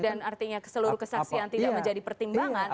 dan artinya seluruh kesaksian tidak menjadi pertimbangan